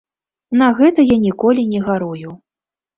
На гэта я ніколі не гарую.